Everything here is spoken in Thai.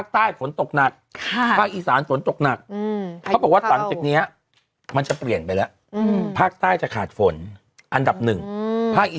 แต่เขาจะเจอพะยุอะไรอย่างงี้